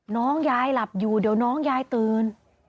น้องยายหลับอยู่เดี๋ยวน้องยายตื่น